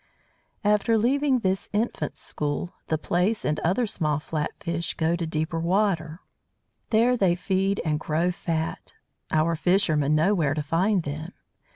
After leaving this "infants' school" the Plaice, and other small flat fish, go to deeper water. There they feed and grow fat. Our fishermen know where to find them.